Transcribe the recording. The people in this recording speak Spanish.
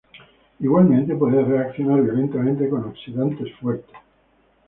Igualmente, puede reaccionar violentamente con oxidantes fuertes.